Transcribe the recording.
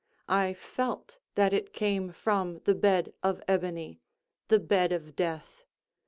I felt that it came from the bed of ebony—the bed of death.